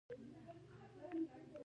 هغه د کتابونو المارۍ ته ودرېد او رنځور شو